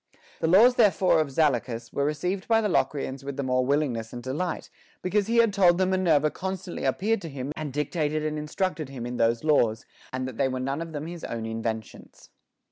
The laws therefore of Zaleucus were reeeived by the Locrians with the more willingness and delight, because he had told them Minerva constantly appeared to him and dictated and instructed him in those laws, and that they were none of them his own inventions.